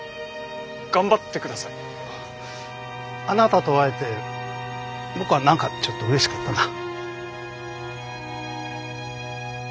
あなたと会えて僕は何かちょっとうれしかったな。